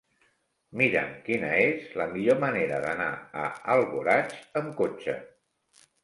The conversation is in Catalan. Mira'm quina és la millor manera d'anar a Alboraig amb cotxe.